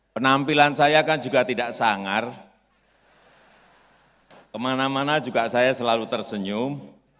penampilan saya kan juga tidak sangar kemana mana juga saya selalu tersenyum